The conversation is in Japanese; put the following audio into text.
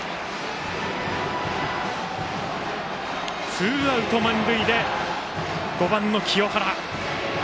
ツーアウト満塁で５番の清原。